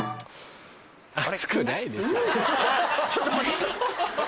熱くないでしょ。